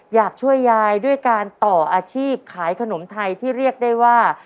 อยากช่วยยายด้วยการต่ออาชีพขายขนมไทยที่เรียกได้ว่า